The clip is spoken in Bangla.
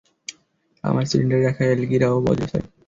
আমার সিলিন্ডারে রাখা এলগিরাও বর্জ্য ছাড়ে।